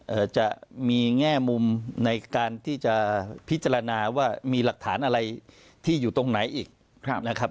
จะมีแง่มุมในการที่จะพิจารณาว่ามีหลักฐานอะไรที่อยู่ตรงไหนอีกครับนะครับ